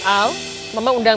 al mama undang